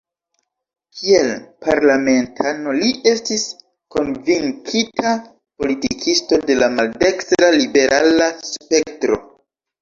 Kiel parlamentano li estis konvinkita politikisto de la maldekstra-liberala spektro.